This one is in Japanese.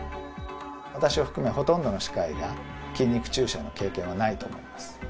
私を含め、ほとんどの歯科医が筋肉注射の経験はないと思います。